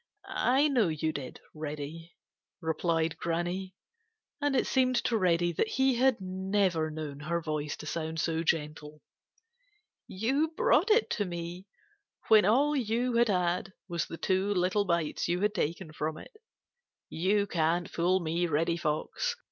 "I know you did, Reddy," replied Granny, and it seemed to Reddy that he never had known her voice to sound so gentle. "You brought it to me when all you had had was the two little bites you had taken from it. You can't fool me, Reddy Fox.